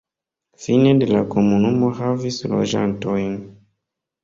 Fine de la komunumo havis loĝantojn..